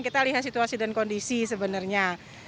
kita lihat situasi dan kondisi sebenarnya